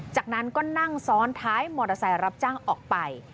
จากนั้นก็นั่งซ้อนท้ายมอเตอร์ไซค์รับจ้างออกไป